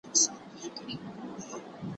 چي هر څه یم په دنیا کي ګرځېدلی